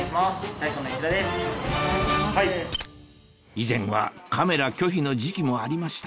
以前はカメラ拒否の時期もありました